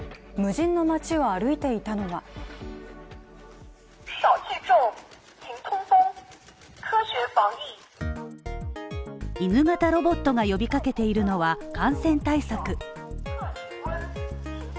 無人の街を歩いていたのは犬型ロボットが呼びかけているのは感染対策。